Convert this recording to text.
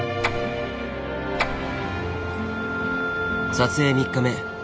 撮影３日目。